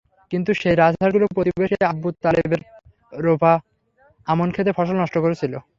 কিন্তু সেই রাজহাঁসগুলো প্রতিবেশী আবু তালেবের রোপা আমন খেতের ফসল নষ্ট করছিল।